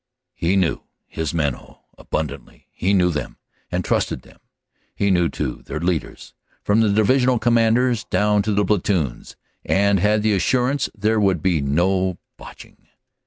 He knew his men oh, abundantly he knew them and trusted them ; he knew, too, their leaders, from the Divisional Commanders down to the platoons, and had the assurance there would be no botching.